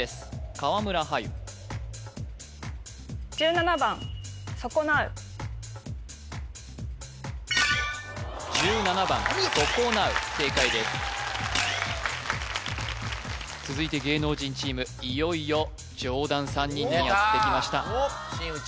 川村はゆ１７番そこなう正解です続いて芸能人チームいよいよ上段３人がやってきましたでた真打ち